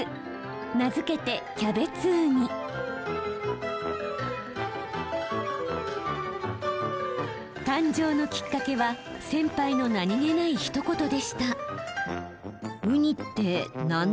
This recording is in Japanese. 名付けて誕生のきっかけは先輩の何気ないひと言でした。